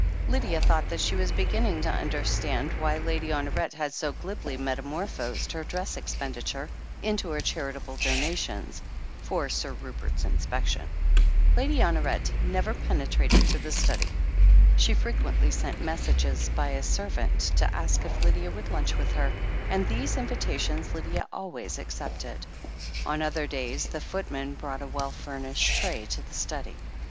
Lydia thought that she was beginning to understand why Lady Honoret had so glibly metamorphosed her dress expenditure into her charitable donations, for Sir Rupert's inspection. Lady Honoret never penetrated to the study. She frequently sent messages by a servant to ask if Lydia would lunch with her, and these invitations Lydia always accepted. On other days, the footman brought a well furnished tray to the study.